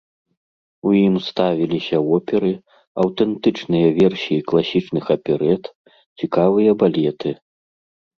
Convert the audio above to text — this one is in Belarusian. У ім ставіліся оперы, аўтэнтычныя версіі класічных аперэт, цікавыя балеты.